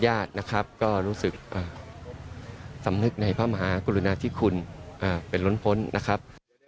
ญาตินะครับก็รู้สึกสำนึกในพระมหากรุณาธิคุณเป็นล้นพ้นนะครับ